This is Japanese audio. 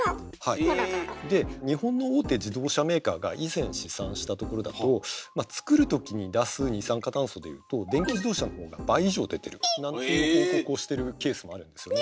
で日本の大手自動車メーカーが以前試算したところだとまあ作る時に出す二酸化炭素でいうと電気自動車の方が倍以上出てるなんていう報告をしてるケースもあるんですよね。